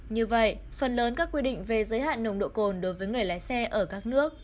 như vậy phần lớn các quy định về giới hạn nồng độ cồn đối với người lái xe ở các nước